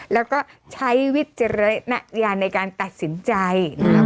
แล้วก็ใช้วิจารณญาณในการตัดสินใจนะครับ